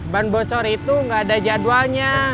ban bocor itu nggak ada jadwalnya